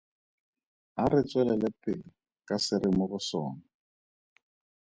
A re tswelele pele ka se re mo go sone.